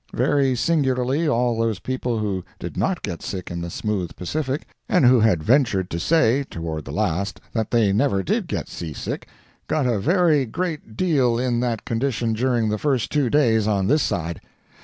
Very singularly, all those people who did not get sick in the smooth Pacific, and who had ventured to say, toward the last, that they never did get sea sick, got a very great deal in that condition during the first two days on this side.